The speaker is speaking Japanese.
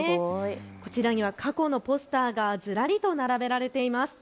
こちらには過去のポスターがずらりと並べられています。